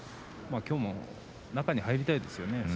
きょうも相手の中に入りたいですね。